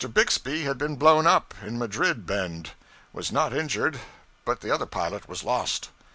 Bixby had been blown up, in Madrid bend; was not injured, but the other pilot was lost.